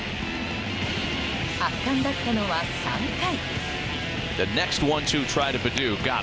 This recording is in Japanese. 圧巻だったのは３回。